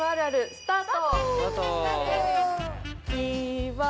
スタート！